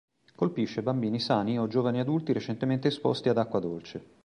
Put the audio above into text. Colpisce bambini sani o giovani adulti recentemente esposti ad acqua dolce.